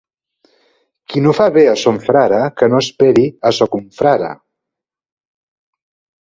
Qui no fa bé a son frare, que no esperi a son confrare.